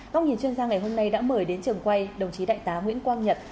các nghìn chuyên gia ngày hôm nay đã mời đến trường quay đồng chí đại tá nguyễn quang nhật